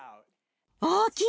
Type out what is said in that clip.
大きい！